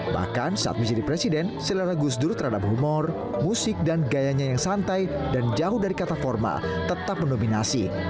bahkan saat menjadi presiden selera gus dur terhadap humor musik dan gayanya yang santai dan jauh dari kata formal tetap mendominasi